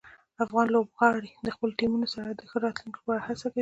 افغان لوبغاړي د خپلو ټیمونو سره د ښه راتلونکي لپاره هڅه کوي.